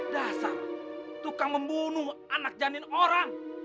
dasar tukang membunuh anak janin orang